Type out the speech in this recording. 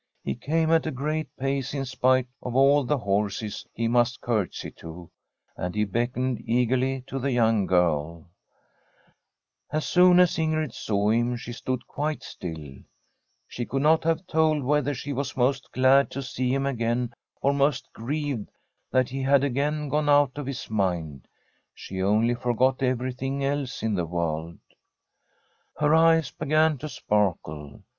He came at a great pace in spite of all the horses he must curtsy to, and he beckoned eagerly to the young girL As soon as Ingrid saw him she stood quite stilL She could not have told whether she was most glad to see him again or most grieved that he had again gone out of his mind; she only forgot everything else in the world. Her eyes began to sparkle.